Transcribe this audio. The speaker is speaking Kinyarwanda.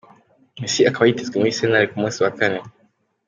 Messi akaba yitezwe muri sentare ku musi wa kane.